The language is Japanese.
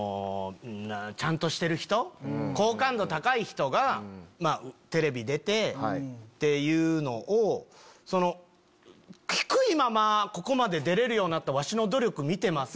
ちゃんとしてる人好感度高い人がテレビ出てっていうのを低いままここまで出れるようになったわしの努力見てます？